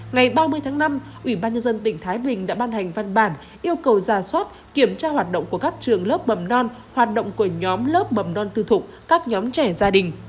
ngày ba mươi tháng năm ủy ban nhân dân tỉnh thái bình đã ban hành văn bản yêu cầu giả soát kiểm tra hoạt động của các trường lớp mầm non hoạt động của nhóm lớp mầm non tư thục các nhóm trẻ gia đình